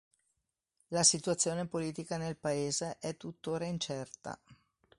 La situazione politica nel paese è tuttora incerta.